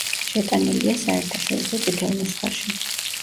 შეტანილია საერთაშორისო წითელ ნუსხაში.